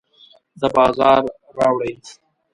د بازار راوړي